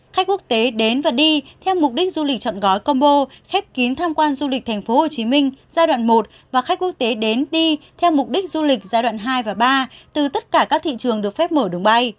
khách quốc tế đến và đi theo mục đích du lịch chọn gói combo khép kín tham quan du lịch tp hcm giai đoạn một và khách quốc tế đến đi theo mục đích du lịch giai đoạn hai và ba từ tất cả các thị trường được phép mở đường bay